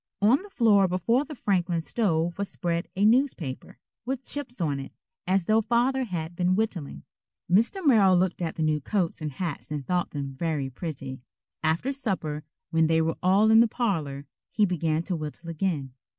On the floor before the Franklin stove was spread a newspaper, with chips on it, as though Father had been whittling. Mr. Merrill looked at the new coats and hats and thought them very pretty. After supper, when they were all in the parlor, he began to whittle again.